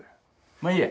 まあいいや。